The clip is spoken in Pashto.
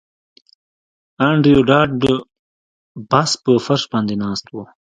انډریو ډاټ باس په فرش باندې ناست و